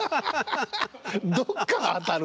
どっか当たる。